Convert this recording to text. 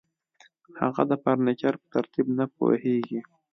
هغه د فرنیچر په ترتیب نه پوهیږي